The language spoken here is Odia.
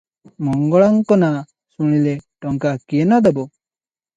ମଙ୍ଗଳାଙ୍କ ନାଁ ଶୁଣିଲେ ଟଙ୍କା କିଏ ନ ଦେବ?